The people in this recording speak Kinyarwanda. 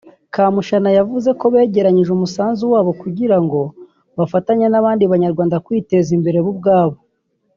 Kamushana yavuze ko begeranyije umusanzu wabo kugira ngo bafatanye n’abandi banyarwanda kwiteza imbere bo ubwabo